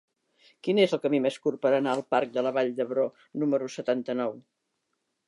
Quin és el camí més curt per anar al parc de la Vall d'Hebron número setanta-nou?